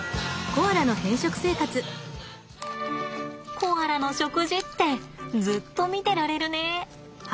コアラの食事ってずっと見てられるね。